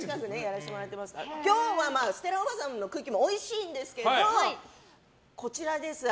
今日はステラおばさんのクッキーもおいしいんですけどこちらです。